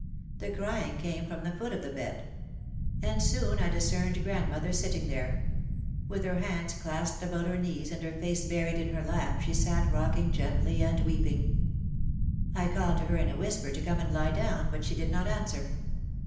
The crying came from the foot of the bed. And soon I discerned grandmother sitting there. With her hands clasped about her knees and her face buried in her lap she sat rocking gently and weeping. I called to her in a whisper to come and lie down, but she did not answer.